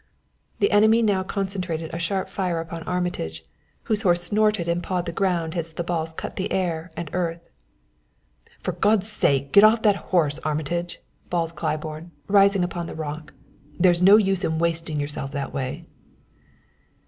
The enemy now concentrated a sharp fire upon Armitage, whose horse snorted and pawed the ground as the balls cut the air and earth. "For God's sake, get off that horse, Armitage!" bawled Claiborne, rising upon, the rock. "There's no use in wasting yourself that way."